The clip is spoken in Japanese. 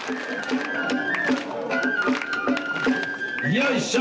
よいしょ。